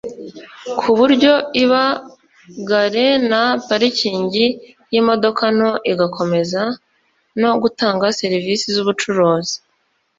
ku buryo iba gare na parikingi y’imodoka nto igakomeza no gutanga zerivisi z’ubucuruzi